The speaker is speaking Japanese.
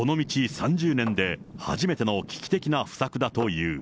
３０年で初めての危機的な不作だという。